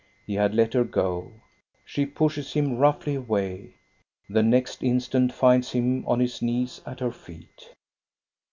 " He had let her go. She pushes him roughly away. The next instant finds him on his knees at her feet.